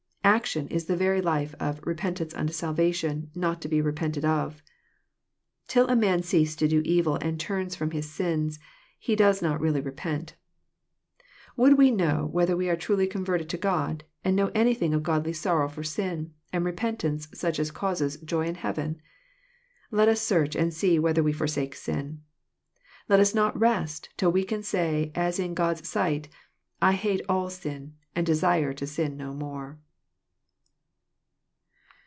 Action is the very life of " repentance unto salva tion not to be repented of." Till a man ceases to do evil and turns from his sins, he does not really repent. — ^Would we know whether we are truly converted to God, and know anything of godly sorrow for sin, and repentance such as causes " joy in heaven "? Let us search and see whether we forsake sin. Let us not rest till we can say as in God's sight, " I hate all sin, and desire to sin no more."